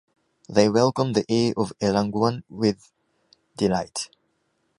They welcome the heir of Ellangowan with delight.